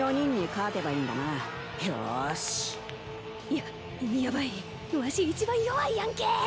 ヤヤバいわし一番弱いやんけ！